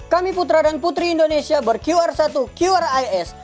kami putra dan putri indonesia ber qr satu qris